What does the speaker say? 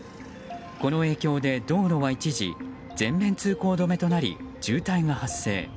この影響で道路は一時全面通行止めとなり渋滞が発生。